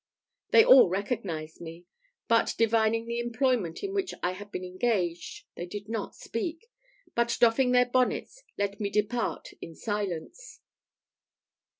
They all recognised me; but divining the employment in which I had been engaged, they did not speak, but doffing their bonnets, let me depart in silence.